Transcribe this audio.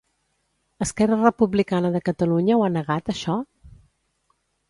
Esquerra Republicana de Catalunya ho ha negat, això?